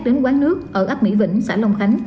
đến quán nước ở ấp mỹ vĩnh xã long khánh